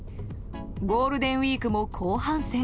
ゴールデンウィークも後半戦。